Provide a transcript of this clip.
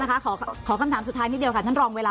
ขอคำถามสุดท้ายนิดเดียวค่ะท่านรองเวลา